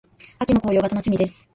秋の紅葉が楽しみです。